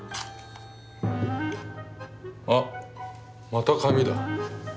あっまた紙だ。